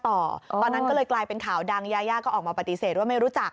ตอนนั้นก็เลยกลายเป็นข่าวดังยายาก็ออกมาปฏิเสธว่าไม่รู้จัก